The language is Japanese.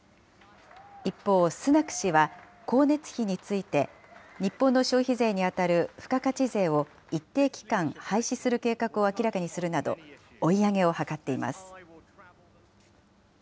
一方、スナク氏は、光熱費について、日本の消費税に当たる付加価値税を一定期間、廃止する計画を明らかにするなど、追い上げを図っています。